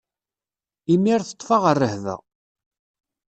Imir teṭṭef-aɣ rrehba.